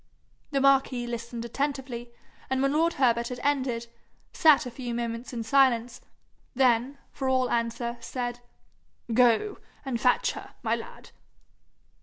The marquis listened attentively, and when lord Herbert had ended, sat a few moments in silence; then, for all answer, said, 'Go and fetch her, my lad.'